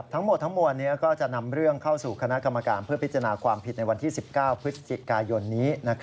ทั้งหมดทั้งมวลก็จะนำเรื่องเข้าสู่คณะกรรมการเพื่อพิจารณาความผิดในวันที่๑๙พฤศจิกายนนี้